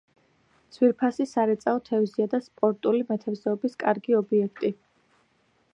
ძვირფასი სარეწაო თევზია და სპორტული მეთევზეობის კარგი ობიექტი.